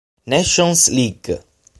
Nations League